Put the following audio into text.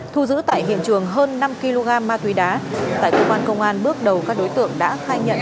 thu giữ tại hiện trường hơn năm kg ma túy đá tại công an tp hải phòng bước đầu các đối tượng đã khai nhận